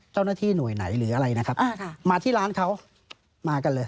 เจ้าหน้าที่หน่วยไหนหรืออะไรนะครับมาที่ร้านเขามากันเลย